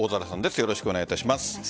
よろしくお願いします。